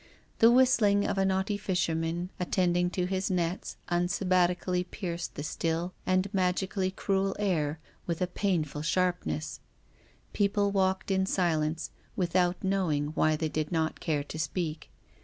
The whistling of a naughty fisherman at tending to his nets unsabbatically pierced the slIU and magically cruel air with a painful sharpness. People walked in silence without knowing why they did not care to speak.